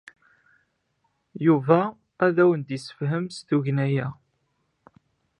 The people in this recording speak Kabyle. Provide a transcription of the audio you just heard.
Yuba ad awen-d-yessefhem s tugna-a.